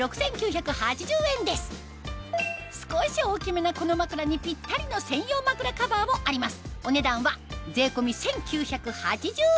少し大きめなこの枕にぴったりの専用枕カバーもあります